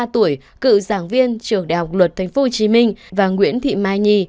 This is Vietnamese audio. bốn mươi ba tuổi cựu giảng viên trường đại học luật tp hcm và nguyễn thị mai nhi